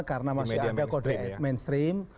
karena masih ada kode mainstream